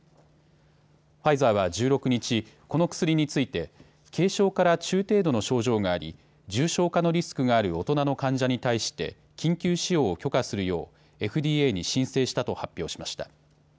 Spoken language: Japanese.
ファイザーは１６日、この薬について軽症から中程度の症状があり重症化のリスクがある大人の患者に対して緊急使用を許可するようＦＤＡに申請したと発表しました。